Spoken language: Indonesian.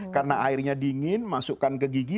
karena airnya dingin masukkan ke gigi